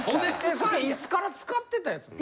それいつから使ってたやつなん？